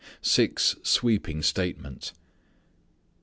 Six Sweeping Statements.